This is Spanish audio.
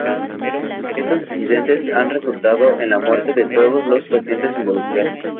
Estos incidentes han resultado en la muerte de todos los pacientes involucrados.